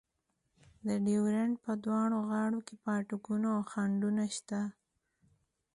د ډیورنډ په دواړو غاړو کې پاټکونه او خنډونه شته.